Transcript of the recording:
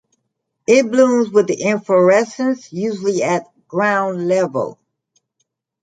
It blooms with the inflorescences usually at ground level.